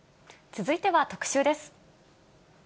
続いては特集です。